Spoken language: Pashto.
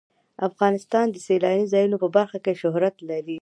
افغانستان د سیلاني ځایونو په برخه کې شهرت لري.